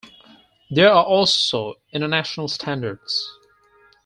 There are also international standards.